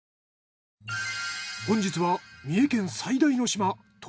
本日は三重県最大の島答